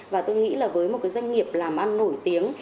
và tôi nghĩ là với một cái doanh nghiệp làm ăn nổi tiếng